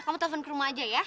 kamu telpon ke rumah aja ya